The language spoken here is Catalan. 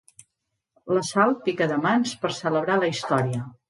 La Sal pica de mans per celebrar la història.